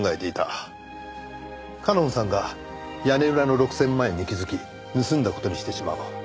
夏音さんが屋根裏の６千万円に気づき盗んだ事にしてしまおう。